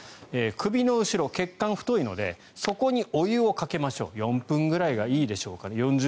首の後ろ、血管が太いのでそこにお湯をかけましょう４分ぐらいがいいでしょうか。